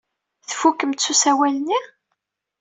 Tfukemt s usawal-nni?